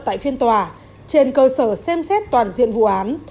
tại phiên tòa trên cơ sở xem xét toàn diện vụ án